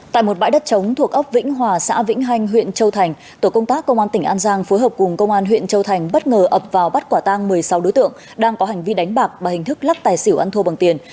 tại một bãi đất trống thuộc ấp vĩnh hòa xã vĩnh hanh huyện châu thành tổ công tác công an tỉnh an giang phối hợp cùng công an huyện châu thành bất ngờ ập vào bắt quả tang một mươi sáu đối tượng đang có hành vi đánh bạc và hình thức lắc tài xỉu ăn thua bằng tiền